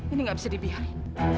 ini enggak bisa dibiarin